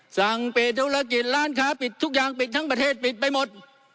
สั่งปิดธุรกิจร้านค้าปิดทุกอย่างปิดทั้งประเทศปิดไปหมด